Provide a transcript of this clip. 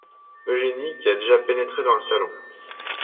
Eugénie qui a déjà pénétré dans le salon.